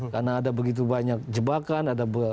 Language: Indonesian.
karena ada begitu banyak jebakan